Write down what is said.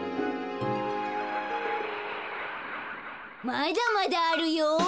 まだまだあるよ。